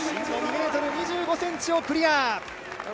２ｍ２５ｃｍをクリア。